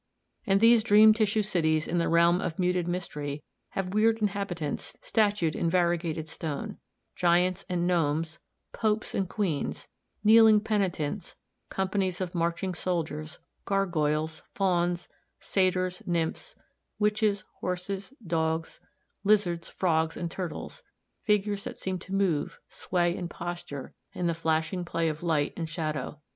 And these dream tissue cities in the realm of muted mystery have weird inhabitants statued in variegated stone: giants and gnomes, popes and queens, kneeling penitents, companies of marching soldiers, gargoyles, fauns, satyrs, nymphs, witches, horses, dogs, lizards, frogs and turtles figures that seem to move, sway and posture in the flashing play of light and shadow.